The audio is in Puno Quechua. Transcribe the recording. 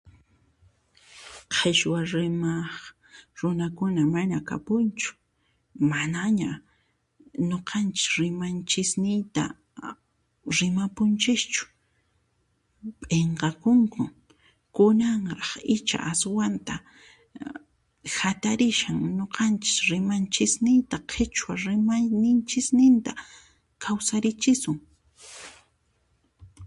Qhichwa rimaq runakuna mana kapunchu, manaña, nuqanchis rimanchisniyta a a rimapunchischu, p'inqakunku, kunanraq icha aswanta hatarishan nuqanchis rimayninchisniyta qhichwa rimayninchisninta kawsarichisun.